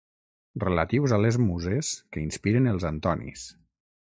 Relatius a les muses que inspiren els Antonis.